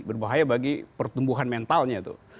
berbahaya bagi pertumbuhan mentalnya tuh